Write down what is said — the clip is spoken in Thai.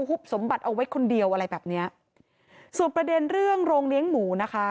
ุบสมบัติเอาไว้คนเดียวอะไรแบบเนี้ยส่วนประเด็นเรื่องโรงเลี้ยงหมูนะคะ